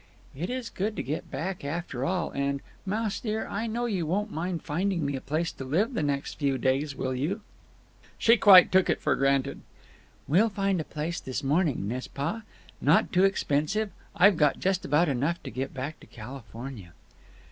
"It is good to get back after all, and—Mouse dear, I know you won't mind finding me a place to live the next few days, will you?" She quite took it for granted. "We'll find a place this morning, n'est ce pas? Not too expensive. I've got just about enough to get back to California."